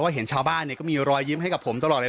เห็นชาวบ้านก็มีรอยยิ้มให้กับผมตลอดเลย